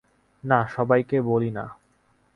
না, সবাইকে বলি না।